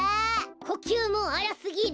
こきゅうもあらすぎる！